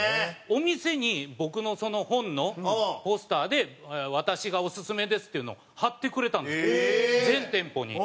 お店に僕の本のポスターで「私がオススメです」っていうのを貼ってくれたんです全店舗に。